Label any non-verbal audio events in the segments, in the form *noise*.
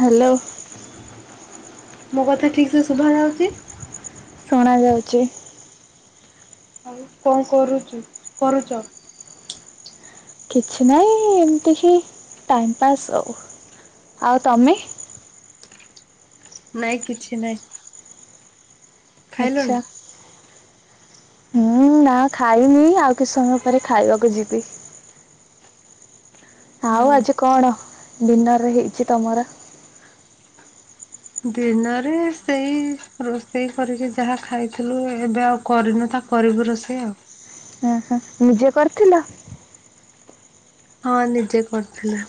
Hello. ମୋ କଥା ଠିକ ସେ ଶୁଭା ଯାଉଛି। ଶୁଣା ଯାଉଛି। ଆଉ କଣ କରୁଛୁ କରୁଚ। କିଛି ନାହିଁ ଏମିତିକି ଟାଇମ୍ ପାସ୍ ଆଉ ଆଉ ତମେ। ନାଇଁ କିଛି ନାଇଁ। ଖାଇଲଣି? ଆଚ୍ଛା। ହୁଁ ନା ଖାଇନି ଆଉ କିଛି ସମୟ ପରେ ଖାଇବାକୁ ଯିବି। ଆଉ ହଉ। ଆଜି କଣ ଡିିନର ରେ ହେଇଛି ତମର? ଦିନରେ ସେଇ ରୋଷେଇ କରିକି ଯାହା ଖାଇଥିଲୁ ଏବେ ଆଉ। କରିନୁ ତା କରିବୁ ରୋଷେଇ ଆଉ। ଓହୋ ନିଜେ କରିଥିଲ? ହଁ ନିଜେ କରିଥିଲୁ।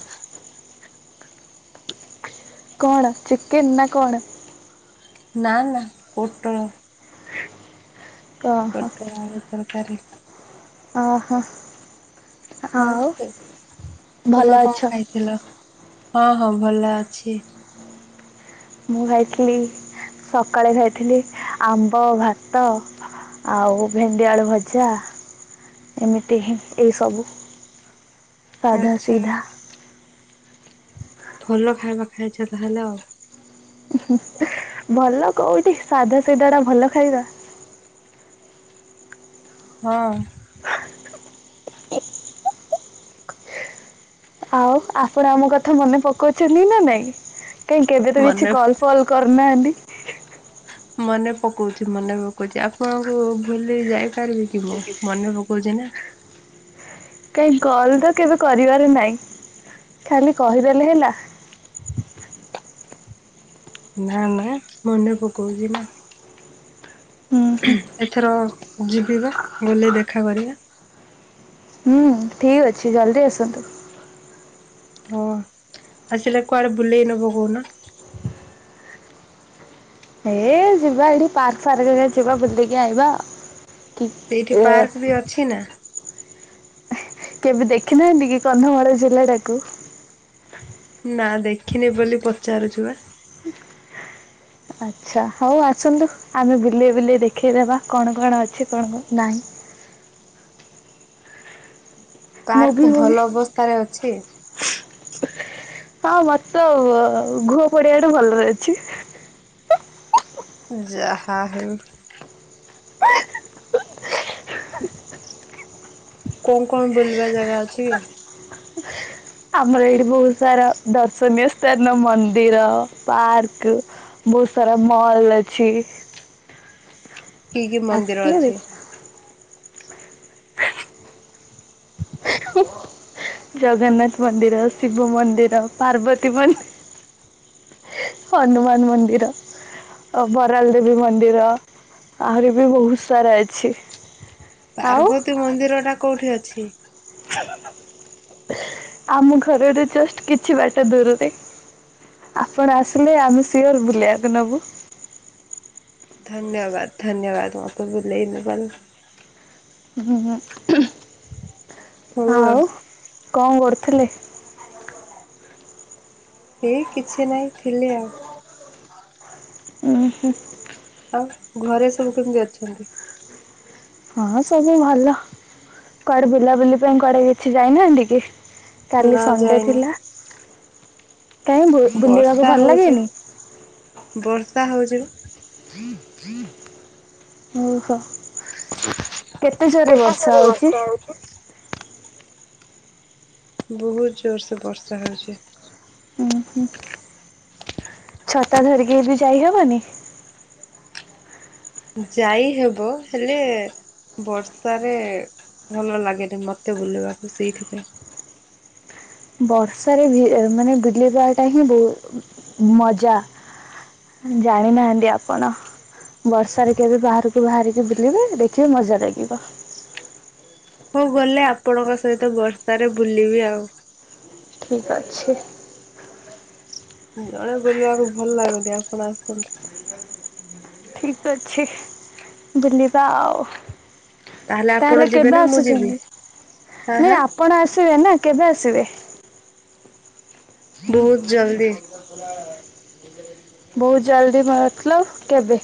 କଣ ଚିକେନ ନା କଣ? ନା ନା ପୋଟଳ। ଓହୋ ପୋଟଳ ଆଳୁ ତରକାରୀ। ଓହୋ ଆଉ ଭଲ ଅଛ? ହ୍ୟାଲୋ ହଁ ହଁ ଭଲ ଅଛି। ମୁଁ ଖାଇଥିଲି ସକାଳେ ଖାଇଥିଲି ଆମ୍ବ ଭାତ ଆଉ ଭେଣ୍ଡିଆଳୁ ଭଜା। ଏମିତି ହିଁ ଏଇ ସବୁ ସାଧା ଆଚ୍ଛା ସିଧା। ଭଲ ଖାଇବା ଖାଇଛ ତାହେଲେ ଆଉ। ଭଲ କୋଉଠି ସାଧା ସିଧା ଟା ଭଲ ଖାଇବା। ହଁ। ଆଉ ଆପଣ ଆମ କଥା ମନେ ପକାଉଛନ୍ତି ନା ନାଇଁ କାଇଁ କେବେ ତ କିଛି ମନେ କଲ ଫଲ୍ କରିନାହାନ୍ତି। ମନେ ପକଉଛି ମନେ ପକଉଛି ଆପଣଙ୍କୁ ଭୁଲି ଯାଇପାରିବି କି ମୁଁ ମନେ ପ କଉଚି ନା। କାଇଁ କଲ ତ କେବେ କରିବାର ନାଇଁ ଖାଲି କହିଦେଲେ ହେଲା। ନା ନା ମନେ ପକଉଛି ନା। ହୁଁ ହୁଁ ଏଥର ଯିବିବା ଗୋଲେ ଦେଖା କରିବା। ହୁଁ ଠିକ୍ ଅଛି ଜଲ୍ଦି ଆସନ୍ତୁ। ହଁ ଆସିଲେ କୁଆଡେ ବୁଲେଇ ନବ କହୁନ? ହେ ଯିବା ଏଠି ପାର୍କ ଫାର୍କ ମୋ ଯିବା ବୁଲିକି ଆଇିବା। ସେଇଠି ପାର୍କ ବି ଅଛି ନା। କେବେ ଦେଖିନାହାନ୍ତି କି କନ୍ଧମାଳ ଜିଲ୍ଲା ଟାକୁ? ନା ଦେଖିନି ବୋଲି ପଚାରୁଛୁ ବା। ଆଚ୍ଛା ହଉ ଆସନ୍ତୁ ଆମେ ବିଲେଇ ବିଲେଇ ଦେଖେଇଦେବା କଣ କଣ ଅଛି କଣ କଣ ନାହିଁ। ପାର୍କ ମୁଭି ଫୁଭି ଭଲ ଅବସ୍ଥାରେ ଅଛି। ହଁ ମତୋ ଘୁହ ପଡିଆଠୁ ଭଲରେ ଅଛି। ଜାହା ହଉ। କଣ କଣ ବୁଲିବା ଜାଗା ଅଛି କି? ଆମର ଏଇଠି ବହୁତୁ ସାରା ଦର୍ଶନୀୟ ସ୍ଥାନ ମନ୍ଦିର ପାର୍କ ବହୁତୁ ସାରା ମଲ ଅଛି। କି କି ମନ୍ଦିର ଆସିଲେ ଅଛି? ଦେଖ ଜଗନ୍ନାଥ ମନ୍ଦିର ଶିବ ମନ୍ଦିର ପାର୍ବତୀ ମନ୍ଦିର ହନୁମାନ ମନ୍ଦିର ଅ ବରାଲ ଦେବୀ ମନ୍ଦିର ଆହୁରି ବି ବହୁତୁ ସାରା ଅଛି। ଆଉ ପାର୍ବତୀ ମନ୍ଦିର ଟା କୋଉଠି ଅଛି? ଆମ ଘରର ଜଷ୍ଟ କିଛି ବାଟ ଦୂରରେ। ଆପଣ ଆସିଲେ ଆମେ ସିଓର ବୁଲିବାକୁ ନବୁ। ଧନ୍ୟବାଦ ଧନ୍ୟବାଦ ମାକୁବୁଲେଇନବାରୁ। ହୁୁଁ ଆଉ କଣ କରୁଥିଲେ? ଏଇ କିଛି ନାହିଁ ଥିଲି ଆଉ। ଉ ହୁଁ। ଆଉ ଘରେ ସବୁ କେମିତି ଅଛନ୍ତି? ହଁ ସବୁ ଭଲ କୁଆଡେ ବୁଲାବୁଲି ପାଇଁ କୁଆଡେ କିଛି ଯାଇନାହାନ୍ତି କି? କାଲି ନା ସଣ୍ଡେ ଯାଇନି ଥିଲା କାହିଁ ବୁଲିବାକୁ ବର୍ଷା ଭଲ ହଉଚି ଲାଗେନି? ବର୍ଷା ହଉଚି। ଓହୋ। କେତେ ଜୋରେ ବର୍ଷା ହଉଚି? ବହୁତୁ ଜୋର ସେ ବର୍ଷା ହେଉଚି। ହୁଁ ହୁଁ ଛତା ଧରିକି ବି ଯାଇହବନି? ଯାଇ ହେବ ହେଲେ ବର୍ଷାରେ ଭଲ ଲାଗେନି ମତେ ବୁଲିବାକୁ ସେଇଥିପାଇଁ। ବର୍ଷାରେ ମାନେ ବୁଲିବାଟା ହିଁ ବହୁ ମଜା। ଜାଣିନାହାନ୍ତି ଆପଣ। ବର୍ଷାରେ କେବେ ବାହାରକୁ ବାହାରିକି ବୁଲିବେ ଦେଖିବେ ମଜା ଲାଗିବ। ହଉ ଗଲେ ଆପଣଙ୍କ ସହିତ ବର୍ଷାରେ ବୁଲିବି ଆଉ। ଠିକି ଅଛି। ଜଣେ ବୁଲିବାକୁ ଭଲ ଲାଗୁନି ଆପଣ ଆସନ୍ତୁ। ଠିକି ଅଛି ବୁଲିବା ଆଉ। ଆପଣ ତାହେଲେ ଯିବେ କେବେ ନା ମୁଁ ଯିବି ଆସୁଚନ୍ତି ହାଁ ନାଇଁ ହାଁ ଆପଣ ଆସିବେ ନା କେବେ ଆସିବେ? ଜ ଜି ବହୁତ *unintelligible* ଜଲଦି। ବହୁତୁ ଜଲ୍ଦି ମତଲବ କେବେ?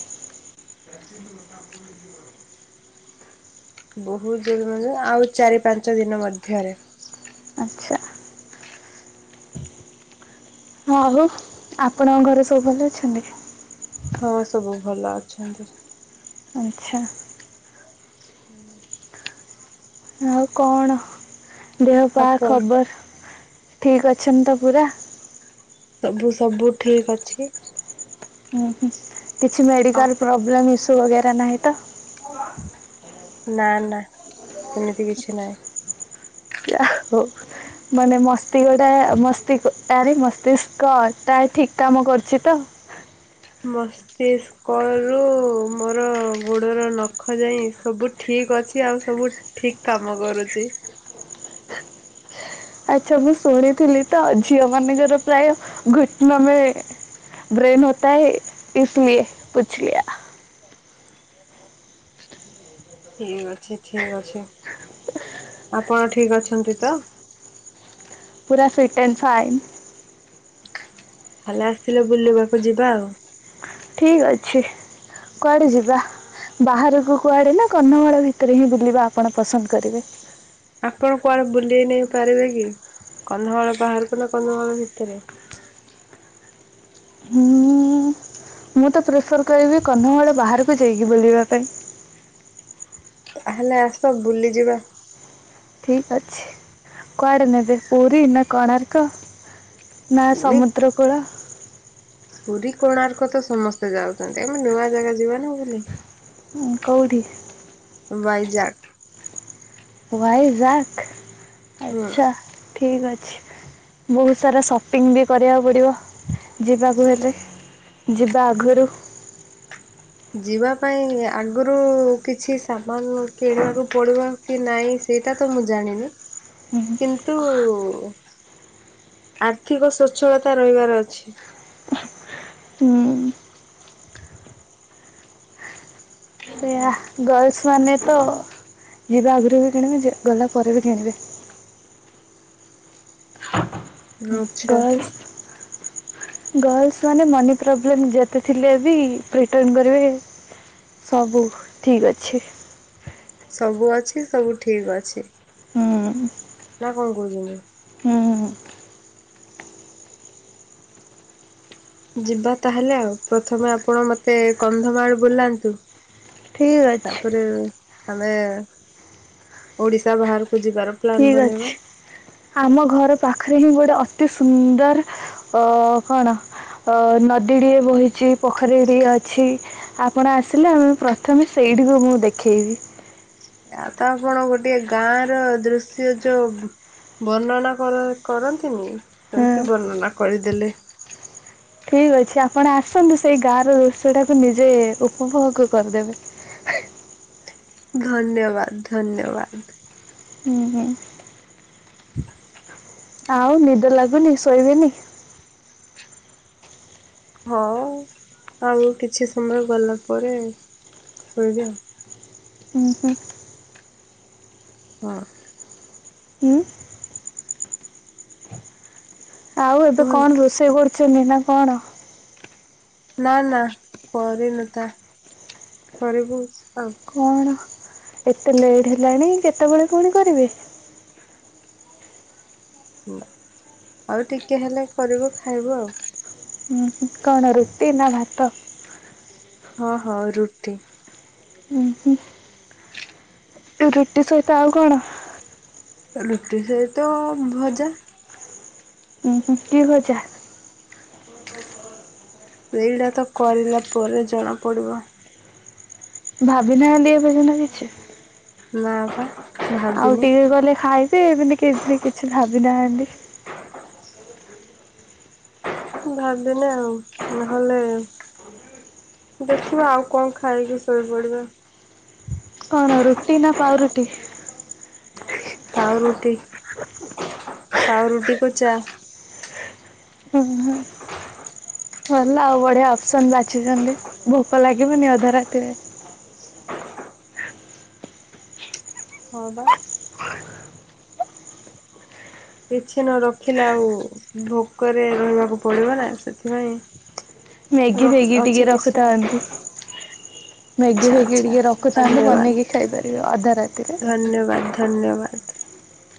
ବହୁତୁ ଜଲଦି ମ ଆଉ ଚାରି ପାଞ୍ଚ ଦିନ ମଧ୍ୟରେ। ଆଚ୍ଛା। ହହଉ ଆପଣଙ୍କ ଘରେ ସବୁ ଭଲ ଅଛନ୍ତି? ହଁ ସବୁ ଭଲ ଅଛନ୍ତି। ଆଚ୍ଛା ହୁଁ ଆଉ କଣ ଦେହ ପା ଆପଣ ଖବର ଠିକ ଅଛଛନ୍ତି ତ ପୁରା ସବୁ ସବୁ ଠିକ୍ ଅଛି ହୁଁ ହୁଁ କିଛି ଅ ମେଡିକଲ ପ୍ରୋବ୍ଲେମ ଇସୁ ବଗେରା ନାହିଁ ତ ନା ନା ସେମିତି କିଛି ନାହିଁ। ଆୋ *inaudible* ମାନେ ମସ୍ତିକଟା ମସ୍ତି ଆରି ମସ୍ତିଷ୍କ ଟା ଠିକ କାମ କରୁଛି ତ? ମସ୍ତିଷ୍କ। କୁ ମୋର ଗୋଡର ନଖ ଯାଇ ସବୁ ଠିକ ଅଛି ଆଉ ସବୁ ଠିକ କାମ କରୁଛି। ଆଚ୍ଛା ମୁଁ ଶୁଣିଥିଲି ତ ଝିଅ ମାନଙ୍କର ପ୍ରାୟ ଘୁଟନ ମେ ବ୍ରେନ ହତା ହେ ଇସଲିଏ ପୁଛଲିଆ। ଠିକ ଅଛି ଠିକ ଅଛି ଆପଣ ଠିକ ଅଛନ୍ତି ତ? ପୁରା ଫିଟ ଏଣ୍ଡ ଫାଇନ୍। କାଲି ଆସିିଲେ ବୁଲିବାକୁ ଯିବା ଆଉ। ଠିକ ଅଛି କୁଆଡେ ଯିବା? ବାହାରକୁ କୁଆଡେ ନା କନ୍ଧମାଳ ଭିତରେ ହିଁ ବୁଲିବା ଆପଣ ପସନ୍ଦ କରିବେ। ଆପଣ କୁଆଡେ ବୁଲେଇ ନେଇ ପାରିବେ କି କନ୍ଧମାଳ ବାହାରକୁ ନା କନ୍ଧମାଳ ଭିତରେ। ହୁଁ ମୁଁ ତ ପ୍ରିଫର କରିବି କନ୍ଧମାଳ ବାହାରକୁ ଯାଇକି ବୁଲିବା ପାଇଁ। ତାହେଲେ ଆସ ବୁଲି ଯିବା। ଠିକ ଅଛି କୁଆଡେ ନେବେ ପୁରୀ ନା କଣାର୍କ? ନା ପୁଣି ସମୁଦ୍ରକୂଳ। ପୁରୀ କୋଣାର୍କ ତ ସମସ୍ତେ ଯାଉଛନ୍ତି ଆମେ ନୂଆ ଜାଗା ଯିବ ନା ବୁଲି। କଉଠି? ବାଇଜାକ। ୱାଇଜାକ୍ ହୁଁ। ଆଚ୍ଛା ଠିକ ଅଛି। ବହୁତ ସାରା ସପିଙ୍ଗ ବି କରିବାକୁ ପଡ଼ିବ ଯିବାକୁ ହେଲେ। ଯିବାଆଗରୁ। ଯିବା ପାଇଁ ଆଗରୁ କିଛି ସାମାନ କିଣିବାକୁ ପଡ଼ିବ। କି ନାଇଁ ସେଇଟା ତ ମୁଁ ଜାଣିନି କିନ୍ତୁ। ଆର୍ଥିକ ସଚ୍ଛଳତା ରହିବାର ଅଛି। ହୁଁ ସେଇଆ ଗର୍ଲସ ମାନେ ତ ଯିବା ଆଗରୁ ବି କିଣିବେ ଗଲା ପରେ ବି କିଣିବେ। ଆଚ୍ଛା ଗଲର୍ସ ଗର୍ଲସ ମାନେ ମନି ପ୍ରୋବ୍ଲେମ ଯେତେ ଥିଲେ ବି ପ୍ରିଟନ୍ କରିବେ। ସବୁ ଠିକ୍ ଅଛି। ସବୁ ଅଛି ସବୁ ଠିକ ଅଛି। ହୁଁ ନା କଣ କହୁଛନ୍ତି ଆଉ? ହୁଁ। ଯିବା ତାହେଲେ ଆଉ ପ୍ରଥମେ ଆପଣ ମତେ କନ୍ଧମାଳ ବୁଲାନ୍ତୁ। ଠିକ୍ ଅଛି ତାପରେ ଆମେ ଓଡିଶା ବାହାରକୁ ଯିବା ର। ଠିକ ଅଛି ଆମ ଘର ପାଖରେ ହିଁ ଗୋଟେ ଅତି ସୁନ୍ଦର ଅ କଣ ଅ ନଦୀଟିଏ ବହିଛି ପୋଖରୀଟିଏ ଅଛି। ଆପଣ ଆସିଲେ ଆମେ ପ୍ରଥମେ ସେଇଠିକୁ ମୁଁ ଦେଖେଇବି। ଆତ ଆପଣ ଗୋଟେ ଗାଁର ଦୃଶ୍ୟ ଯୋଉ ବର୍ଣ୍ଣନା କର କରନ୍ତିନି ହଁ ସେମିତି ବର୍ଣ୍ଣନା କରିଦେଲେ। ଠିକ୍ ଅଛି ଆପଣ ଆସନ୍ତୁ ସେଇ ଗାଁର ରୋଷେଇଟାକୁ ନିଜେ ଉପଭୋଗ କରିଦେବେ? ଧନ୍ୟବାଦ୍ ଧନ୍ୟବାଦ୍। ହୁଁ ହୁଁ। *inaudible* ଆଉ ନିଦ ଲାଗୁନି ଶୋଇବେନି? ହଁ ଆଉ କିଛି ସମୟ ଗଲା ପରେ ଶୋଇବି। ଉଁ ହୁଁ। ହଁ। ଉଁ। ଆଉ ଏବେ କୁହନ୍ତୁ କଣ ରୋଷେଇ କରୁଚନ୍ତି ନା କଣ? ନା ନା କରିନୁତା କରିବୁ ଆଉ କଣ ଏତେ ଲେଟ୍ ହେଲାଣି କେତେବେଳେ ପୁଣି କରିବେ? ଆଉ ଟିକେ ହେଲେ କରିବୁ ଖାଇବୁ ଆଉ। ହୁଁ କଣ ରୁଟି ନାଭାତ? ହଁ ହଁ ରୁଟି। ଉଁ ହୁଁ। ରୁଟି ସହିତ ଆଉ କଣ? ରୁଟି ସହିତ ଭଜା। ଉଁ ହୁଁ କିଭଜା? ଏଇଟାତ କରିଲା ପରେ ଜଣାପଡ଼ିବ। ଭାବି ନାହାନ୍ତି ଏବେ ସିନା କିଛି। ନାଁପା। ଆଉ ଟିକେ ଗଲେ ଖାଇବେ ଏମିତି କେମିତି କିଛି ଭାବି ନାହାନ୍ତି? ଭାବିନେ ଆଉ ନହଲେ ଦେଖିବା ଆଉ କଣ ଖାଇକି ଶୋଇପଡ଼ିବା। କଣ ରୁଟିନା ପାଉରୁଟି? ପାଉରୁଟି ପାଉରୁଟିକି ଚା। ଓଁ ହଁ। ଗଲା ଆଉ ବଢ଼ିଆ ଅପସନ୍ ବାଛିିଛନ୍ତି ଭୋକ ଲାଗିବନି ଅଧ ରାତିରେ? ହଁ ବା। କିଛିନ ରଖିଲେ ଆଉ ଭୋକରେ ରହିବାକୁ ପଡ଼ିବନା ସେଥିପାଇଁ ମେଗି ରଖି ଫେଗି ଟିକେ ଅଛି କିଛି ଆଉ ରଖୁଥାନ୍ତୁ। ମ୍ୟାଗି ଆଚ୍ଛା ଫେଗି ଆଚ୍ଛା ଟିକେ ରଖୁଥାନ୍ତେ ଧନ୍ୟବାଦ। ବନେଇକି ଖାଇ ପାରିବେ ଅଧା ରାତିରେ ଧନ୍ୟବାଦ ଧନ୍ୟବାଦ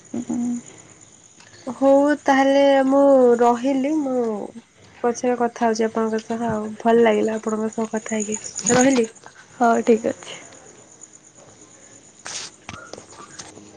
*unintelligible* ହଉ ତାହେଲେ ମୁଁ ରହିଲି ମୁଁ ପଛରେ କଥା ହଉଚି ଆପଣଙ୍କ ସହ ଆଉ ଭଲ ଲାଗିଲା ଆପଣଙ୍କ ସହ କଥା ହେଇକି ରହିଲି। ହଉ ଠିକ୍ ଅଛି।